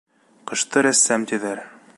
Ҡышты рәссам, тиҙәр.